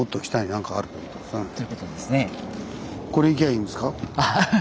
これ行きゃいいんですか。